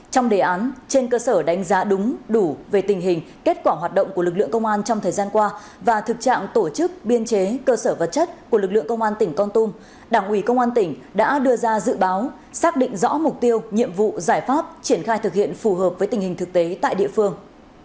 trong đề án trên cơ sở đánh giá đúng đủ về tình hình kết quả hoạt động của lực lượng công an trong thời gian qua và thực trạng tổ chức biên chế cơ sở vật chất của lực lượng công an tỉnh con tum đảng ủy công an tỉnh đã đưa ra dự báo xác định rõ mục tiêu nhiệm vụ giải pháp triển khai thực hiện phù hợp với tình hình thực tế tại địa phương